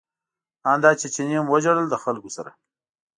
ان دا چې چیني هم وژړل له خلکو سره.